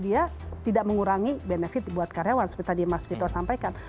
dia tidak mengurangi benefit buat karyawan seperti tadi mas vito sampaikan